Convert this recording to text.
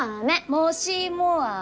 もしも飴？